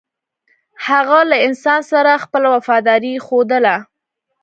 هغه له انسان سره خپله وفاداري ښودله.